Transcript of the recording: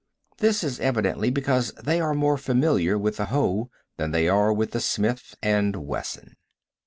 This is evidently because they are more familiar with the hoe than they are with the Smith & Wesson.